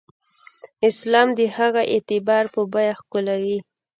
اسلام د هغه اعتبار په بیه ښکېلوي.